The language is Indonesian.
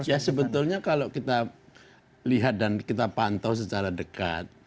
ya sebetulnya kalau kita lihat dan kita pantau secara dekat